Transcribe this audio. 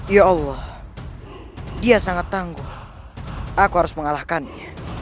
ya allah dia sangat tangguh aku harus mengalahkannya